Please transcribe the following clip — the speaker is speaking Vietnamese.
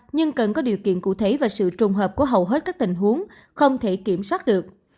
nhưng cần có điều kiện cụ thể và sự trùng hợp của hầu hết các tình huống không thể kiểm soát được